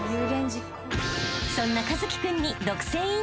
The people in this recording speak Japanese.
［そんな一輝君に］